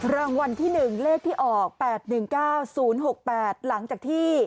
รางวัลที่๑เลขที่ออก๘๑๙๐๖๘หลังจากที่